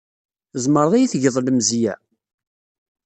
Tzemreḍ ad iyi-tgeḍ lemzeyya?